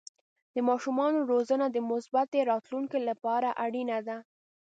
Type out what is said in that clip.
د ماشومانو روزنه د مثبتې راتلونکې لپاره اړینه ده.